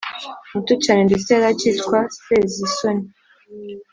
muto cyane ndetse yari akitwa sezisoni